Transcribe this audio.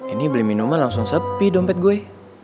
ini beli minuman langsung sepi dompet gue